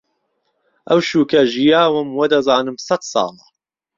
ئهوشوکه ژییاوم وهدهزانم سەت ساڵە